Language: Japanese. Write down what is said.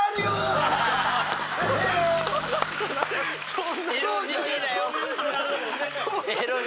そんな！